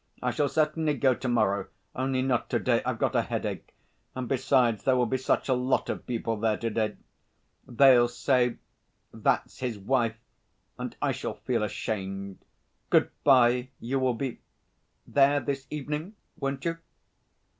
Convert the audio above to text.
I shall certainly go to morrow. Only not to day; I've got a headache, and besides, there will be such a lot of people there to day.... They'll say, 'That's his wife,' and I shall feel ashamed.... Good bye. You will be ... there this evening, won't you?"